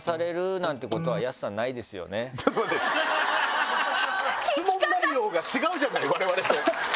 ちょっと待って質問内容が違うじゃないわれわれと。